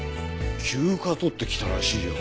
休暇取って来たらしいよ。